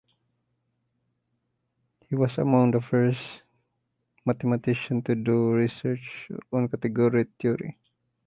He was among the first Czech mathematicians to do research on category theory.